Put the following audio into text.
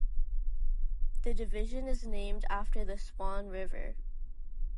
The division is named after the Swan River.